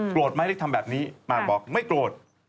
ไหมที่ทำแบบนี้มากบอกไม่โกรธ